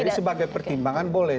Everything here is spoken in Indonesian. jadi sebagai pertimbangan boleh